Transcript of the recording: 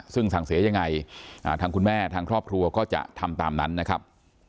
ซึ่งสั่งเสียยังไงทางคุณแม่ทางครอบครัวก็จะทำตามนั้นนะครับ